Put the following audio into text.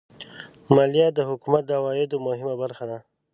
مالیه د حکومت د عوایدو مهمه برخه ده.